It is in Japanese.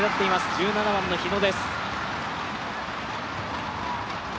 １７番の日野です。